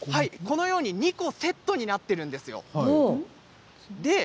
このように２個セットになっているんですよ。